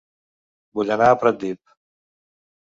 Vull anar a Pratdip